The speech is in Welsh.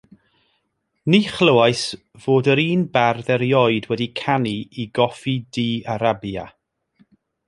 Ni chlywais fod yr un bardd erioed wedi canu i goffi du Arabia.